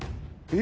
え？